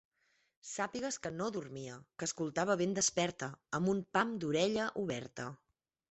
Sàpigues que no dormia, que escoltava ben desperta, amb un pam d'orella oberta.